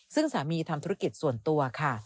ซึ่งสามีทำธุรกิจส่วนตัวค่ะ